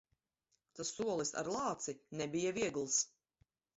Tas solis ar lāci nebija viegls.